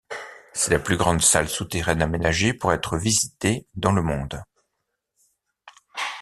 C'est la plus grande salle souterraine aménagée pour être visitée, dans le monde.